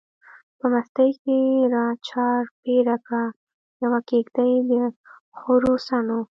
په مستۍ کی را چار پیر کړه، یوه کیږدۍ دخورو څڼو